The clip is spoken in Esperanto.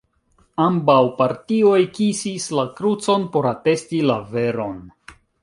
Ambaŭ partioj kisis la krucon por atesti la veron.